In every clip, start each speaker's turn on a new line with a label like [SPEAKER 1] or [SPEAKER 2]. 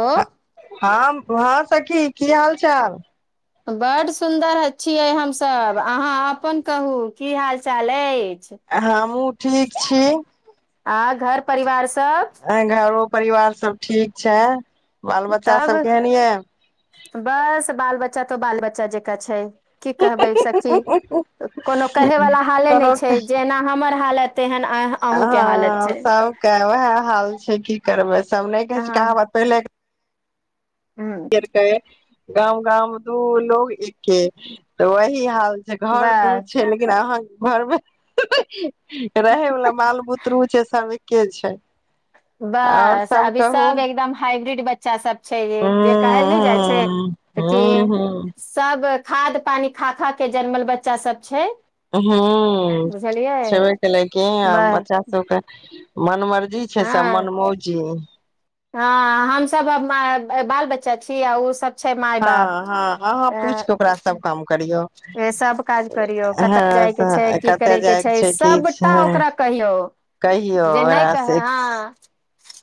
[SPEAKER 1] Hello
[SPEAKER 2] हँ हँ सखी की हाल चाल
[SPEAKER 1] बड्ड सुन्दर छियै हमसभ अहाँ अपन कहू की हाल चाल अछि
[SPEAKER 2] हँ हमहु ठीक छी
[SPEAKER 1] आ घर परिवार सब
[SPEAKER 2] घरो परिवार सब ठीक छै बाल बच्चा
[SPEAKER 1] तब
[SPEAKER 2] सब केहन ये
[SPEAKER 1] बस बाल बच्चा तऽ बाल बच्चा जका छै की कहबै सखी कोनो कहेवाला हाले नहि
[SPEAKER 2] कोनो
[SPEAKER 1] छै जेना हमर हालत तेहन आ
[SPEAKER 2] हँ सभके उएह हाल छै की करबै सभ नहि कहै छै
[SPEAKER 1] अहाँ
[SPEAKER 2] कहावत पहिले
[SPEAKER 1] हूँ
[SPEAKER 2] गाम गाम दू लोग एके तऽ वही हाल घर दू
[SPEAKER 1] बस
[SPEAKER 2] छै लेकिन अहाँ घर मे रहै वला बाल बुतरु छै सब एके छै आओर
[SPEAKER 1] बस अभी
[SPEAKER 2] कहू
[SPEAKER 1] सब एकदम हाइब्रिड बच्चा सब छै
[SPEAKER 2] ह
[SPEAKER 1] जे कहल नहि जाइ छै
[SPEAKER 2] ह
[SPEAKER 1] कि
[SPEAKER 2] ह ह
[SPEAKER 1] सब खाद पानी खा खा के जनमल बच्चा सब छै
[SPEAKER 2] हू
[SPEAKER 1] बुझलियै
[SPEAKER 2] छेबे केलैकी आ
[SPEAKER 1] ब
[SPEAKER 2] बच्चा सबके मन मर्जी छै सम मन
[SPEAKER 1] हँ
[SPEAKER 2] मौजी
[SPEAKER 1] हँ हमसब बाल बच्चा छीय आ उसब छै माय
[SPEAKER 2] हँ
[SPEAKER 1] बाप
[SPEAKER 2] हँ अहाँ
[SPEAKER 1] अं
[SPEAKER 2] पूछि कऽ ओकरा सब काम करियौ
[SPEAKER 1] सब काज करियौ कतय
[SPEAKER 2] हँ
[SPEAKER 1] जाय के छै की
[SPEAKER 2] कतय
[SPEAKER 1] करय के
[SPEAKER 2] जायके
[SPEAKER 1] छै
[SPEAKER 2] की
[SPEAKER 1] सबटा
[SPEAKER 2] छै
[SPEAKER 1] ओकरा कहियौ
[SPEAKER 2] कहियौ
[SPEAKER 1] जे नहि
[SPEAKER 2] ओकरा
[SPEAKER 1] कहे
[SPEAKER 2] से
[SPEAKER 1] आहाँ
[SPEAKER 2] हूँ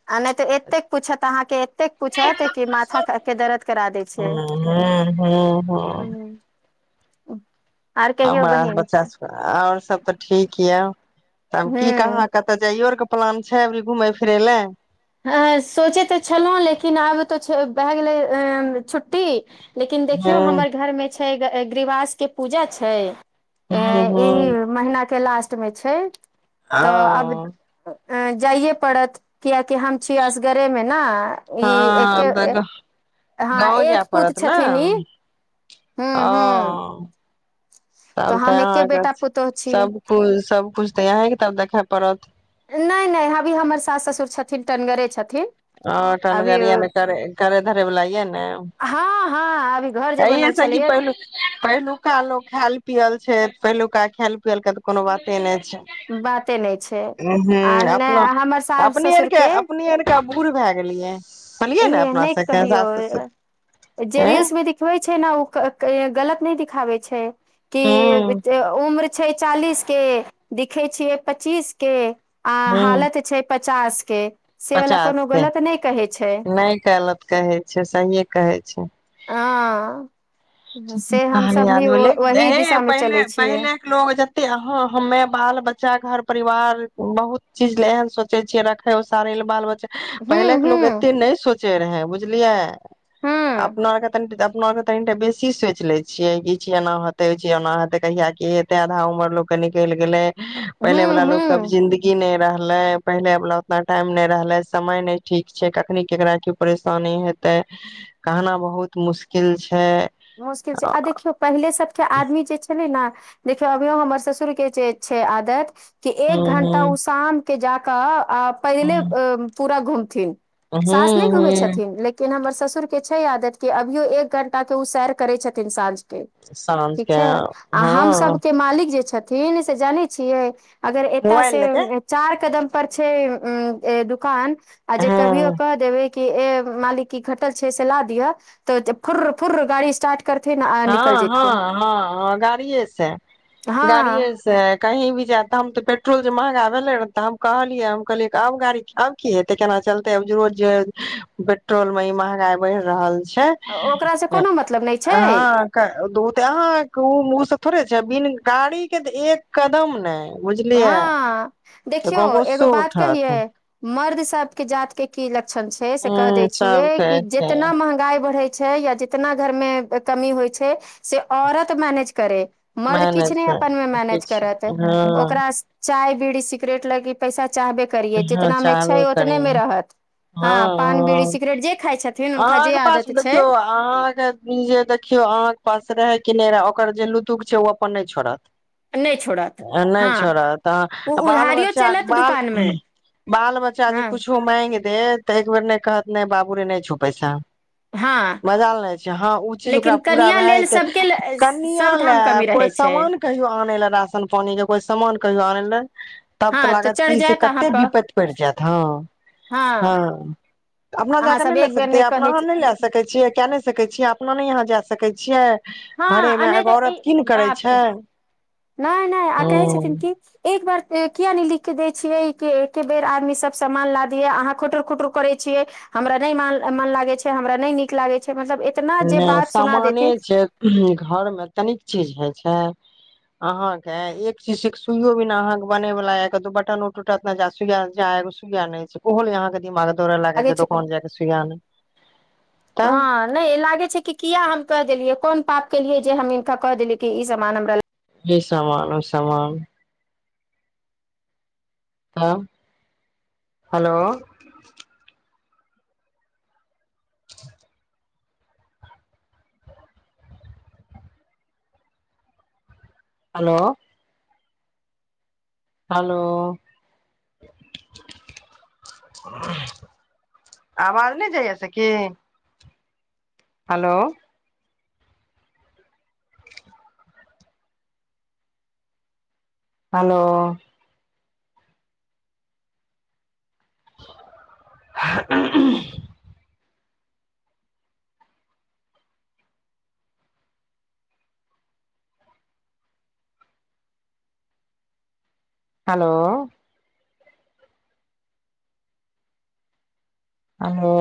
[SPEAKER 1] आ नहि तऽ एतेक पूछत अहाँके एतेक पूछत कि माथा के दर्द करा दै छै
[SPEAKER 2] [unintelligible]
[SPEAKER 1] [inaudible] आर कहियो बहिन
[SPEAKER 2] और सब तऽ ठीक यऽ तब की
[SPEAKER 1] हूँ
[SPEAKER 2] कहाँ तऽ जाइयोर के प्लान छै अभी घूमय फिरय लए
[SPEAKER 1] ह सोचे तऽ छलहुँ लेकिन आब तऽ भए गेलै छुट्टी लेकिन देखियौ
[SPEAKER 2] हूँ
[SPEAKER 1] हमर घरमे गृहवासके पूजा छै अ
[SPEAKER 2] हूँ हूँ
[SPEAKER 1] एहि महीना के लास्ट मे छै [inaudible] तऽ आब
[SPEAKER 2] ओ
[SPEAKER 1] अ जाइये पड़त कि हम छी असगरे मे ने ई
[SPEAKER 2] हँ
[SPEAKER 1] एके
[SPEAKER 2] [unintelligible]
[SPEAKER 1] हँ
[SPEAKER 2] गाँव
[SPEAKER 1] एक
[SPEAKER 2] जाय
[SPEAKER 1] पुत
[SPEAKER 2] पड़त ने
[SPEAKER 1] छथिन ई
[SPEAKER 2] [inaudible]
[SPEAKER 1] हूँ हूँ
[SPEAKER 2] ओ तब तऽ
[SPEAKER 1] हम एके
[SPEAKER 2] यहाँके
[SPEAKER 1] बेटा पुतोह छी
[SPEAKER 2] सबकुछ सबकुछ तऽ यहेंके तब देखे पड़त
[SPEAKER 1] नहि नहि अभी हमर सास ससुर छथिन टनगरे छथिन
[SPEAKER 2] आ
[SPEAKER 1] अभी
[SPEAKER 2] टनगर य करै धरै वला य ने
[SPEAKER 1] हँ हँ अभी घर जे
[SPEAKER 2] एहिये
[SPEAKER 1] बनल
[SPEAKER 2] से कि
[SPEAKER 1] छलैय
[SPEAKER 2] पहिलु पहिलुका लोक खायल पियल छै पहिलुका खायल पियल के तऽ कोनो बाते नहि छै
[SPEAKER 1] बाते नहि छै
[SPEAKER 2] [inaudible]
[SPEAKER 1] आ
[SPEAKER 2] ह अपनो
[SPEAKER 1] नहि हमर सास
[SPEAKER 2] अपने
[SPEAKER 1] ससुर
[SPEAKER 2] आरके
[SPEAKER 1] के
[SPEAKER 2] अपने आरके बूढ़ भए गेलियै
[SPEAKER 1] ई
[SPEAKER 2] कहलियै ने अपना
[SPEAKER 1] नहि
[SPEAKER 2] सबके
[SPEAKER 1] कहियौ
[SPEAKER 2] सास ससुर
[SPEAKER 1] जे
[SPEAKER 2] [inaudible] अ
[SPEAKER 1] रील्स मे दिखबै छै ने ओ गलत नहि दिखाबै छै
[SPEAKER 2] हूं
[SPEAKER 1] कि उम्र छिए चालीस के दिखाई छियै पच्चीस के आ
[SPEAKER 2] हूं
[SPEAKER 1] हालत छै पचास के से वला
[SPEAKER 2] पचास
[SPEAKER 1] कोनो
[SPEAKER 2] के
[SPEAKER 1] गलत नहि कहै छै
[SPEAKER 2] [unintelligible] कहै छै सहिए कहै छै
[SPEAKER 1] [unintelligible]
[SPEAKER 2] ठीकी
[SPEAKER 1] से
[SPEAKER 2] कह लेल न
[SPEAKER 1] हमसभ
[SPEAKER 2] याद
[SPEAKER 1] भी
[SPEAKER 2] भेलए
[SPEAKER 1] वही
[SPEAKER 2] हे
[SPEAKER 1] दिशामे चलै
[SPEAKER 2] पहिले
[SPEAKER 1] छियै
[SPEAKER 2] पहिले लोग जते ह हमे बाल बच्चा घर परिवार बहुत चीज ले एहन सोचे छिये रख है ओ सारे बाल बच्चे
[SPEAKER 1] हूँ
[SPEAKER 2] पहिले के लोक
[SPEAKER 1] हूँ
[SPEAKER 2] एते नहि सोचे सोचे रहै बुझलियै
[SPEAKER 1] हूँ
[SPEAKER 2] अपना आरके तनिटा अपना आरके तनिटा बेसी ई सोच ले छिये क ई ची एना हेते उ ची एना हेते कहिया की हेते आधा उम्र लोग के निकलि गेले [unintelligible] पहिले
[SPEAKER 1] हूँ
[SPEAKER 2] वाला लोक क अब
[SPEAKER 1] हूँ
[SPEAKER 2] जिन्दगी की नहि रहले पहिले वाला उतना टाइम नहि रहले समय नै ठीक छै कखनी केकरा की परेशानी हेत तऽ कहना बहुत मुशकिल छै
[SPEAKER 1] मुश्किल छै आ देखियौ पहिले सबके आदमी जे छले ने देखियौ अभीयों हमर ससुर के जे छै आदत कि
[SPEAKER 2] हूं
[SPEAKER 1] एक घंटा
[SPEAKER 2] हूं
[SPEAKER 1] ओ शाम के जाकऽ आ पहिले
[SPEAKER 2] हूं
[SPEAKER 1] पूरा घूमथिन सास नहि घुमै
[SPEAKER 2] हूं
[SPEAKER 1] छथिन लेकिन कि हमर ससुर के छैे आदत के अभीयो एक घंटा के उ सैर करे छथिन साँझ के [inaudible] ठीक
[SPEAKER 2] साँझके
[SPEAKER 1] छै आ हम
[SPEAKER 2] हँ
[SPEAKER 1] सबके मालिक जे छ छथिन से जानै छियै अगर एतय
[SPEAKER 2] मोबाइल लऽ के
[SPEAKER 1] से चार कदम पर छै उ दुकान आ जे कभीयो
[SPEAKER 2] हँ
[SPEAKER 1] कह देबै ए मालिक ई घटल छै से ला दिय तऽ फुर्र फुर्र गाड़ी स्टार्ट करथिन आ निकल
[SPEAKER 2] हँ
[SPEAKER 1] जेथिन
[SPEAKER 2] हँ हँ ह गाड़ीए से
[SPEAKER 1] हँ
[SPEAKER 2] गाड़ीए से कहीं भी जाए तऽ हम तऽ पेट्रोल जे महँगा भेलै तऽ हम कहलिऐ हम कहलियै कि अब गाड़ी आब की हेते केना चलते अब जे रोज पेट्रोल में ई महगाई बढ़ रहल छै
[SPEAKER 1] ओकरासँ कोनो मतलब नहि छै।
[SPEAKER 2] हँ अहाँ केँ थोड़े छै, बिन गाड़ी के तऽ एक कदम ने बुझलियै
[SPEAKER 1] हँ
[SPEAKER 2] तऽ
[SPEAKER 1] देखियौ
[SPEAKER 2] गाव
[SPEAKER 1] एगो
[SPEAKER 2] गोसो
[SPEAKER 1] बात
[SPEAKER 2] उठत।
[SPEAKER 1] कहियै मर्द सभके जातके। कि लक्षण छै, से कह
[SPEAKER 2] ह
[SPEAKER 1] दय छियै
[SPEAKER 2] सबके
[SPEAKER 1] कि
[SPEAKER 2] एके
[SPEAKER 1] जितना महगाई बढ़े छै या। कितना घर मे कमी होइ छै, से औरत मैनेज करै। मर्द किछ
[SPEAKER 2] मैनेज
[SPEAKER 1] नहि
[SPEAKER 2] कर
[SPEAKER 1] अपन मे मैनेज
[SPEAKER 2] किछ
[SPEAKER 1] करत।
[SPEAKER 2] हँ
[SPEAKER 1] ओकरा चाय बीड़ी सगरेट लगी पैसा चाहवे। करिये
[SPEAKER 2] हँ
[SPEAKER 1] जेटना मे छै,
[SPEAKER 2] चाहबे करी
[SPEAKER 1] उत्नेमे रहत पान, बिरी,
[SPEAKER 2] हँ
[SPEAKER 1] सिगरेट जे खाई छै। छथिन, हुनका जे आदत छै।
[SPEAKER 2] अहाँकेँ जे देखियौ अहाँकेँ पास रहे कि नहि रहे ओकर जे लुतुक छै, ओ अपन नहि छोड़त।
[SPEAKER 1] नहि छोड़त
[SPEAKER 2] नहि
[SPEAKER 1] हँ
[SPEAKER 2] छोड़त
[SPEAKER 1] ओ
[SPEAKER 2] तऽ बाल
[SPEAKER 1] उधारियो
[SPEAKER 2] बच्चा
[SPEAKER 1] चलत
[SPEAKER 2] बाल।
[SPEAKER 1] दुकान मे
[SPEAKER 2] बाल बच्चा जे
[SPEAKER 1] हँ
[SPEAKER 2] कुछो माग दे तऽ एक बेर ने कहत नहि बाबू रे नहि छो पैसा।
[SPEAKER 1] हँ
[SPEAKER 2] मजा लऽ नहि छै, हँ ओ चीज ओकरा
[SPEAKER 1] लेकिन
[SPEAKER 2] पूरा
[SPEAKER 1] कनिया
[SPEAKER 2] भए
[SPEAKER 1] लेल
[SPEAKER 2] जेतै
[SPEAKER 1] सभके
[SPEAKER 2] कनआ
[SPEAKER 1] सभठाम
[SPEAKER 2] लए
[SPEAKER 1] कमी
[SPEAKER 2] कोइ
[SPEAKER 1] रहै छै
[SPEAKER 2] सामान। कहियो आन लऽ राशन पानी के कोई सामान कहियो आन लऽ। तब तऽ
[SPEAKER 1] हँ
[SPEAKER 2] लागत
[SPEAKER 1] चढ़ि
[SPEAKER 2] कि से
[SPEAKER 1] जायत अहाँ
[SPEAKER 2] कटटे
[SPEAKER 1] पर
[SPEAKER 2] विपति पड़ि जायत, ह। हँ, अपना
[SPEAKER 1] अहाँ
[SPEAKER 2] जाक
[SPEAKER 1] सब
[SPEAKER 2] नहि ले।
[SPEAKER 1] एक बेर
[SPEAKER 2] अपना
[SPEAKER 1] कहै
[SPEAKER 2] अहाँ
[SPEAKER 1] छी
[SPEAKER 2] नहि लए सकै छीये, कै नहि सकै छीये अपना ने यहाँ जाय सकै छिये।
[SPEAKER 1] हँ, आ नहि तऽ ई बाप
[SPEAKER 2] छै
[SPEAKER 1] रे नहि नहि आ कहै
[SPEAKER 2] हूं
[SPEAKER 1] छथिन कि। एक बार किया नहि लिख दै छियै, कि एके बेर आदमी सभ सामान ला दिय अहाँ खुटुरू खुटरू करै छियै। हमरा नहि मन लागै छै, हमरा नहि निक लागैत छै, मतलब ए।
[SPEAKER 2] नहि सामाने छै, घरमे तनिक चीज होइ छै। अहा ने एक चीज से सुइयो बिना अहाँकेँ बने वला य दू बटन उ टूटत। जा सुइया जा एगो सुइा नहि छै, ओहोले अहाँकेँ दिमाग दो लाग
[SPEAKER 1] लागै छै
[SPEAKER 2] दोकान जाय के सुइया नहि।
[SPEAKER 1] हैं। नहि लागे छै, कि किया हम कह देलियै कोन पाप केलिये जे हम हिनका कह देलियै कि इ सामान हमरा।
[SPEAKER 2] ई, समान औ समान। ह, हेलो। [inaudible] हेलो। हेलो। आवाज नहि जाइया सखी। हेलो। हेलो। उ [unintelligible] हेलो। हेलो।